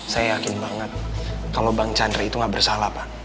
saya yakin banget kalau bang chandra itu nggak bersalah pak